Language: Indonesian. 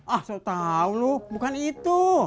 ah saya tahu loh bukan itu